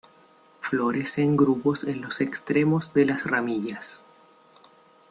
Flores en grupos en los extremos de las ramillas.